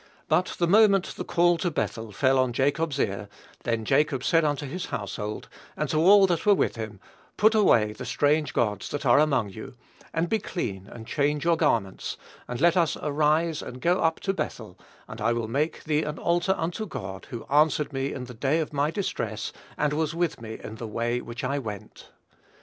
But the moment the call to Bethel fell on Jacob's ear, "Then Jacob said unto his household, and to all that were with him, Put away the strange gods that are among you, and be clean and change your garments, and let us arise and go up to Bethel; and I will make thee an altar unto God, who answered me in the day of my distress, and was with me in the way which I went."